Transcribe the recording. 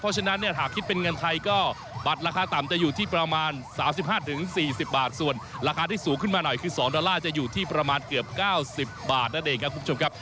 เพราะฉะนั้นเนี่ยหากคิดเป็นเงินไทยก็บัตรราคาต่ำจะอยู่ที่ประมาณ๓๕๔๐บาทส่วนราคาที่สูงขึ้นมาหน่อยคือ๒ดอลลาร์จะอยู่ที่ประมาณเกือบ๙๐บาทนั่นเองครับคุณผู้ชมครับ